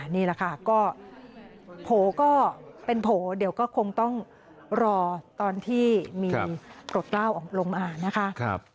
นี่แหละค่ะก็โผล่ก็เป็นโผล่เดี๋ยวก็คงต้องรอตอนที่มีกรดกล้าวลงมานะคะ